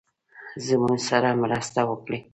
زموږ سره مرسته وکړی.